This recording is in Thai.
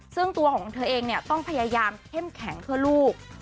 ซึ่งตัวของเธอเองเนี่ยต้องพยายามเข้มแข็งเพื่อลูก